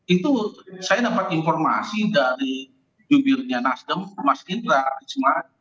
itu saya dapat informasi dari jubirnya nasdem mas indra risma